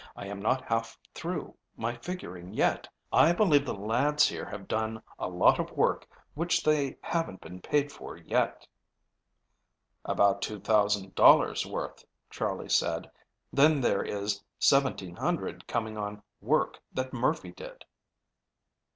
"I am not half through my figuring yet. I believe the lads here have done a lot of work which they haven't been paid for yet." "About $2,000 worth," Charley said; "then there is $1,700 coming on work that Murphy did."